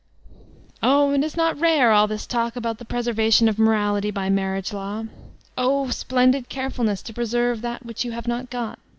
Oh, is it not rare, all this talk about the preservation of morality by marriage law 1 O splendid carefulness to preserve that which you have not got!